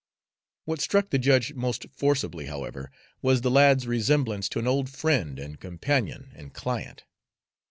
What struck the judge most forcibly, however, was the lad's resemblance to an old friend and companion and client.